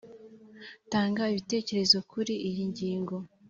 tanga ibitekerezo kuri iyi ngingo